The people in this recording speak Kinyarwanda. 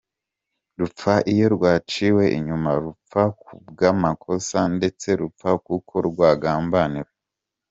rupfa iyo rwaciwe inyuma, rupfa ku bw’amakosa ndetse rupfa kuko rwagambaniwe.